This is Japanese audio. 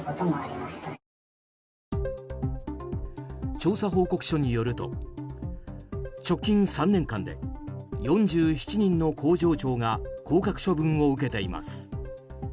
調査報告書によると直近３年間で４７人の工場長が降格処分を受けています。